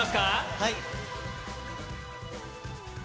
はい。